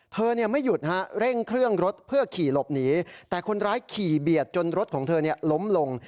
ไม่หยุดฮะเร่งเครื่องรถเพื่อขี่หลบหนีแต่คนร้ายขี่เบียดจนรถของเธอล้มลง